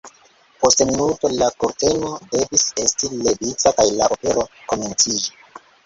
Post minuto la kurteno devis esti levita kaj la opero komenciĝi.